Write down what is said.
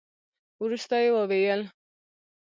وروسته يې وويل.